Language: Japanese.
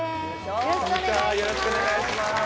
よろしくお願いします